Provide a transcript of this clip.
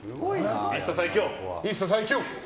一颯最強！